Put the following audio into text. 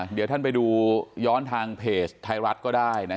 เดี๋ยวท่านไปดูย้อนทางเพจไทยรัฐก็ได้